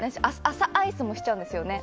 朝アイスもしちゃうんですよね